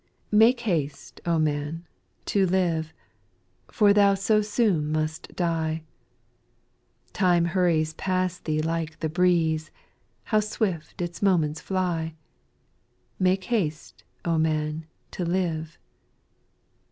"ITAKE haste, man, to live, ill. For tbou so soon must die ; Time hurries past thee like the breeze, How swift its moments fly I Make haste, O man, to live I 2.